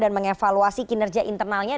dan mengevaluasi kinerja internalnya